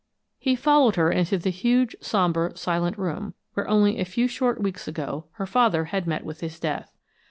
He followed her into the huge, somber, silent room where only a few short weeks ago her father had met with his death.